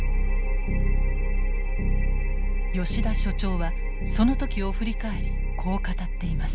吉田所長はその時を振り返りこう語っています。